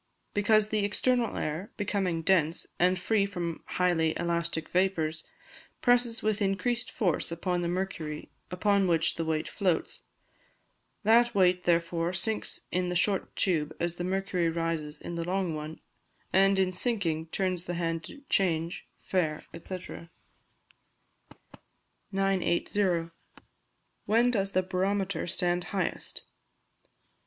_ Because the external air, becoming dense, and free from highly elastic vapours, presses with increased force upon the mercury upon which the weight floats; that weight, therefore, sinks in the short tube as the mercury rises in the long one, and in sinking, turns the hand to Change, Fair, &e. 980. _When does the Barometer stand highest?